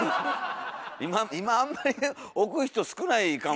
今あんまり置く人少ないかも。